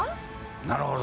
なるほど。